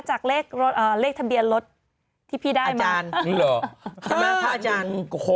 จากเลขทะเบียนรถที่พี่ได้ไหม